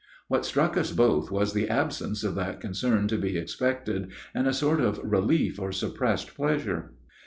What struck us both was the absence of that concern to be expected, and a sort of relief or suppressed pleasure.